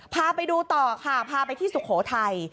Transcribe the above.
พาไปดูต่อค่ะพาไปที่สุโขทัย